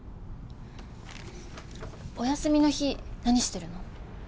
お休みの日何してるの？